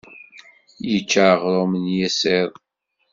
Yečča aɣrum n yisiḍ.